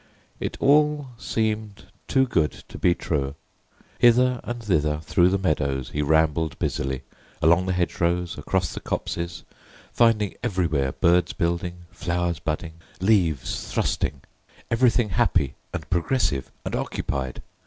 It all seemed too good to be true. Hither and thither through the meadows he rambled busily, along the hedgerows, across the copses, finding everywhere birds building, flowers budding, leaves thrusting—everything happy, and progressive, and occupied.